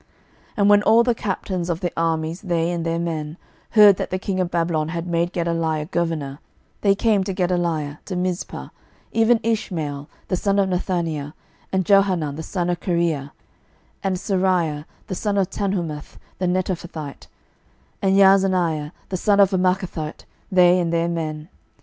12:025:023 And when all the captains of the armies, they and their men, heard that the king of Babylon had made Gedaliah governor, there came to Gedaliah to Mizpah, even Ishmael the son of Nethaniah, and Johanan the son of Careah, and Seraiah the son of Tanhumeth the Netophathite, and Jaazaniah the son of a Maachathite, they and their men.